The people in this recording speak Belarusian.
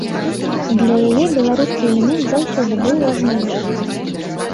Для яе беларускі элемент заўсёды быў важнейшым.